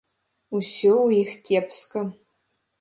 Усё ў іх кепска.